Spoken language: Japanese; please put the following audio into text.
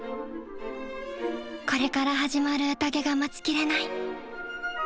これから始まる宴が待ちきれない。